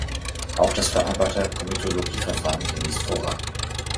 Auch das vereinbarte Komitologie-Verfahren genießt Vorrang.